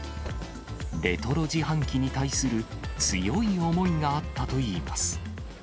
レトロ自販機に対する強い思いがあったといいます。